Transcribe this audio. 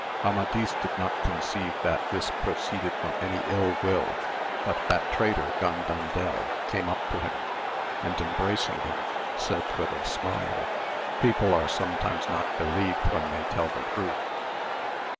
Amadis did not conceive that this proceeded from any ill will, but that traitor Gandandel came up to him, and embracing him, said AMADIS OF GAUL. 107 with a smile, People are sometimes not believed when they tell the truth.